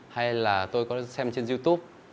hay là tôi có xem trên youtube